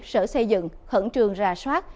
sở xây dựng khẩn trường ra soát